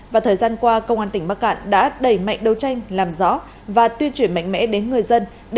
và thời gian qua công an tỉnh bắc cạn đã đẩy mạnh đấu tranh làm rõ và tuyên truyền mạnh mẽ đến người dân